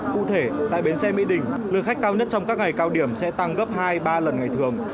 cụ thể tại bến xe mỹ đình lượng khách cao nhất trong các ngày cao điểm sẽ tăng gấp hai ba lần ngày thường